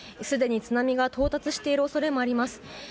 すでに津波が到達している恐れもあります。